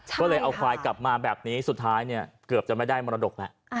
ก็เลยเอาควายกลับมาแบบนี้สุดท้ายเนี่ยเกือบจะไม่ได้มรดกแล้ว